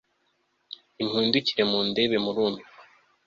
nimuhindukire mundebe, murumirwa